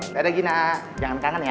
karena gina jangan kangen ya